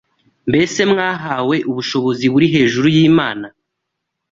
Mbese mwahawe ubushobozi buri hejuru y’Imana?